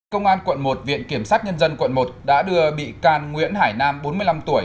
công an quận một viện kiểm sát nhân dân quận một đã đưa bị can nguyễn hải nam bốn mươi năm tuổi